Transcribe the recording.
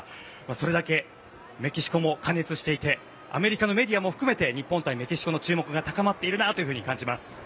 それだけメキシコも過熱していてアメリカのメディアも含めて日本対メキシコの注目が高まっているなと感じます。